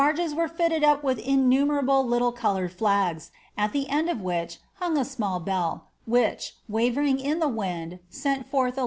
es were fitted up with innumerable little coloured flags, at the ;h hung a small bell, which, wavering in the wind, sent forth s.